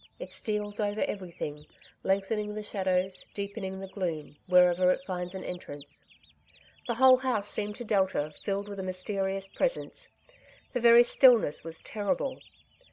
It steals over every thing, lengthening the shadows, deepening the gloom, wherever it finds an entrance. The whole house seemed to Delta filled with a mysterious presence. The very stillness was terrible.